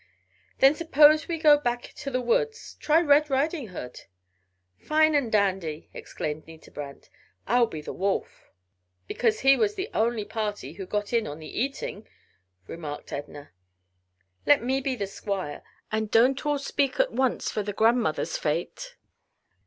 "Then suppose we go back to the woods try Red Riding Hood?" "Fine and dandy!" exclaimed Nita Brant. "I'll be the wolf." "Because he was the only party who got in on the eating," remarked Edna. "Let me be the squire and don't all speak at once for the grandmother's fate."